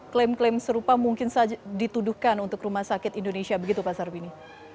klaim klaim serupa mungkin saja dituduhkan untuk rumah sakit indonesia begitu pak sarbini